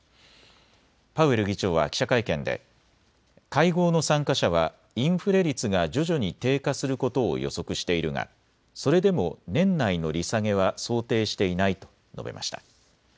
パウエル議長は記者会見で会合の参加者はインフレ率が徐々に低下することを予測しているがそれでも年内の利下げは想定していないと述べました。